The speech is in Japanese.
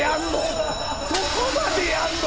そこまでやんの？